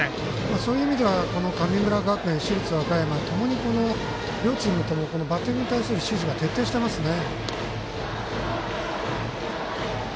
そういう意味では神村学園市立和歌山ともに両チームバッティングに対する指示が徹底してますね。